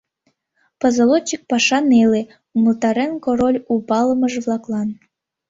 «Позолотчик паша неле, — умылтарен Король у палымыж-влаклан.